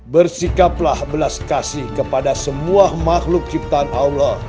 bersikaplah belas kasih kepada semua makhluk ciptaan allah